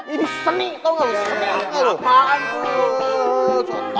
ini seni tau gak lo